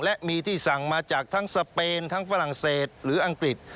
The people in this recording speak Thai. และมีที่สั่งมาจากทั้งสเปนทั้งฝรั่งเศสหรืออังกฤษ